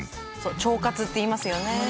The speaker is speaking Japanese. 腸活っていいますよね。